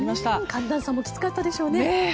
寒暖差もきつかったでしょうね。